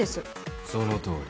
そのとおり。